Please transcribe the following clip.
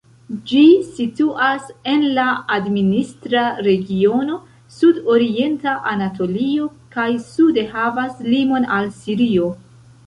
Ĝi situas en la administra regiono Sudorienta Anatolio, kaj sude havas limon al Sirio.